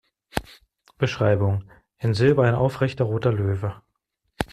Beschreibung: "In Silber ein aufrechter roter Löwe.